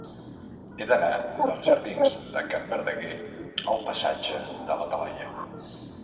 He d'anar dels jardins de Can Verdaguer al passatge de la Talaia.